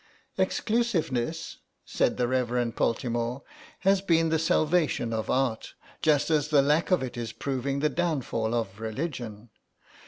"Exclusiveness," said the Reverend Poltimore, "has been the salvation of Art, just as the lack of it is proving the downfall of religion.